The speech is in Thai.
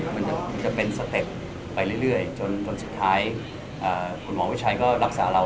มันจะเป็นสเต็ปไปเรื่อยจนสุดท้ายคุณหมอวิชัยก็รักษาเรา